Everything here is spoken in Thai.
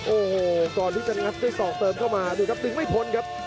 โอ้โหก่อนที่จะงัดด้วยศอกเติมเข้ามาดูครับดึงไม่พ้นครับ